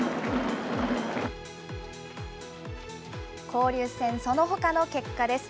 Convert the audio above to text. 交流戦、そのほかの結果です。